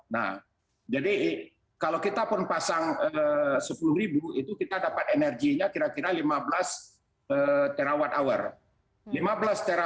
nah jadi kalau kita pun pasang sepuluh ribu itu kita dapat energinya kira kira lima belas terawatt hour